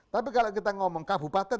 tapi kalau kita ngomong kabupaten